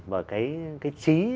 và cái trí